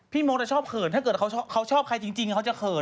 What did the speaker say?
พี่มองคแต่ชอบเขินถ้าเขาชอบใครจริงก็เขาจะเขิน